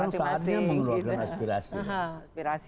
sekarang saatnya mengeluarkan aspirasi